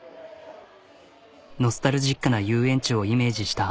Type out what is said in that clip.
ノスタルジックな遊園地をイメージした。